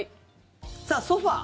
さあ、ソファ。